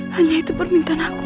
hanya itu permintaan aku